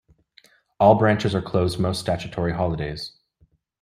All branches are closed most statutory holidays.